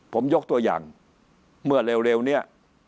ผมยกตัวอย่างเมื่อเร็วนี้